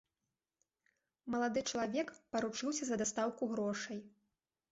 Малады чалавек паручыўся за дастаўку грошай.